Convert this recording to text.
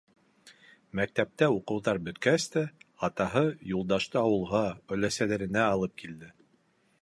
Мәктәптә уҡыуҙар бөткәс тә, атаһы Юлдашты ауылға өләсәләренә алып килде.